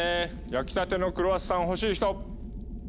焼きたてのクロワッサン欲しい人？